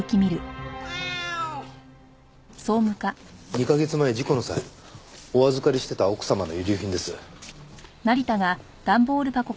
２カ月前事故の際お預かりしていた奥様の遺留品です。